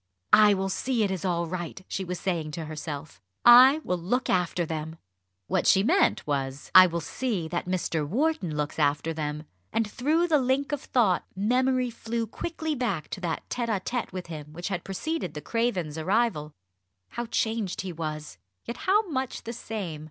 "I will see it is all right," she was saying to herself. "I will look after them." What she meant was, "I will see that Mr. Wharton looks after them!" and through the link of thought, memory flew quickly back to that tête à tête with him which had preceded the Cravens' arrival. How changed he was, yet how much the same!